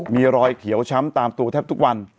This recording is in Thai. มีรอยเขียวช้ำตามตัวแทบทุกวัน